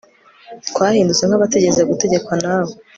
twahindutse nk abatigeze gutegekwa nawe